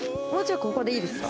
ここでいいですか？